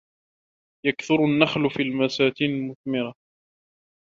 يَكْثُرُ النَّخْلُ فِي الْبَساتِينِ الْمُثْمِرَةِ.